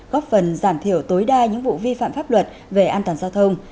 góp phần giảm thiểu tối đa những vụ vi phạm pháp luật về an toàn giao thông